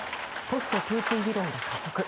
ポストプーチン議論が加速。